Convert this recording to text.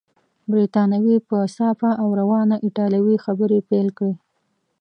بریتانوي په صافه او روانه ایټالوې خبرې پیل کړې.